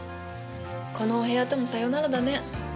このお部屋ともさよならだね。